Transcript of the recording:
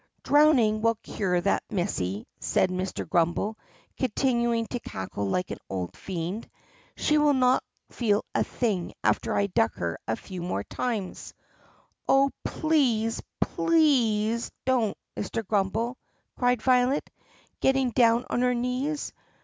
"Drowning will cure that, missy," said Mr. Grummbel con tinuing to cackle like an old fiend; "she will not feel a thing after I duck her a few times more." "Oh, please, PLEASE, don't, Mr. Grummbel !" cried Violet, getting down on her knees.